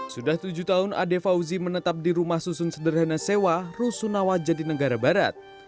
sudah tujuh tahun ade fauzi menetap di rumah susun sederhana sewa rusunawa jatinegara barat